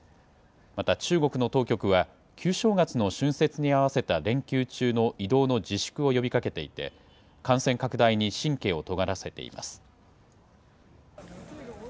また中国の当局は、旧正月の春節に合わせた連休中の移動の自粛を呼びかけていて、感染拡大に神経をとがらせています。